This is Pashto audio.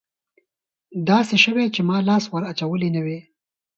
داسې شوي چې ما لاس ور اچولى نه وي.